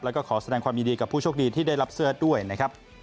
แล้วก็ขอแสดงความยินดีกับผู้โชคดีที่ได้รับเสื้อด้วยนะครับ